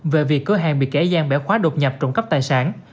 về việc cửa hàng bị kẻ gian bẻo khóa đột nhập trộm cắp tài sản